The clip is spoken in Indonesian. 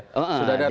sudah ada ya